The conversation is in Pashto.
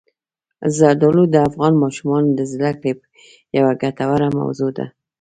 زردالو د افغان ماشومانو د زده کړې یوه ګټوره موضوع ده.